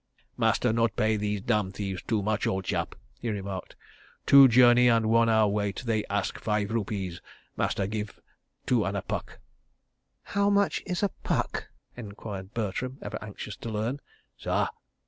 "Master not pay these dam' thieves too much, ole chap," he remarked. "Two journey and one hour wait, they ask five rupees. Master give two an' a puck." "How much is a 'puck'?" enquired Bertram, ever anxious to learn. "Sah?"